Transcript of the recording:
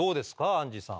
アンジーさん。